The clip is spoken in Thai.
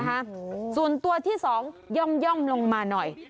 โอ้โหส่วนตัวที่สองย่อมย่อมลงมาหน่อย